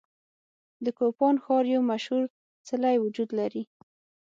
د کوپان ښار یو مشهور څلی وجود لري.